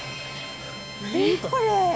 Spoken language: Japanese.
何これ？